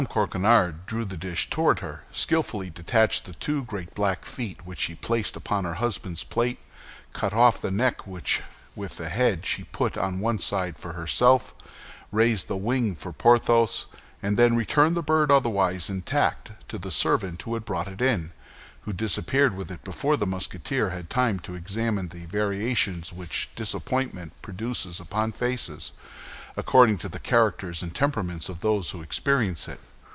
Coquenard drew the dish toward her, skillfully detached the two great black feet, which she placed upon her husband's plate, cut off the neck, which with the head she put on one side for herself, raised the wing for Porthos, and then returned the bird otherwise intact to the servant who had brought it in, who disappeared with it before the Musketeer had time to examine the variations which disappointment produces upon faces, according to the characters and temperaments of those who experience it.